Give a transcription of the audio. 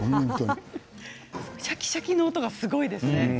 シャキシャキの音がすごいですね。